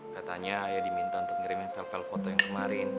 katanya ayah diminta untuk ngirimin sel sel foto yang kemarin